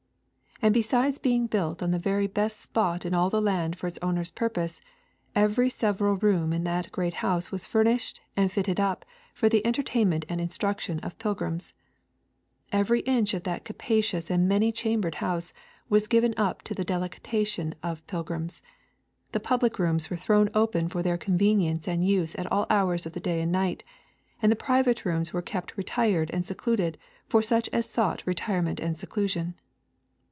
And besides being built on the very best spot in all the land for its owner's purposes, every several room in that great house was furnished and fitted up for the entertainment and instruction of pilgrims. Every inch of that capacious and many chambered house was given up to the delectation of pilgrims. The public rooms were thrown open for their convenience and use at all hours of the day and night, and the private rooms were kept retired and secluded for such as sought retirement and seclusion.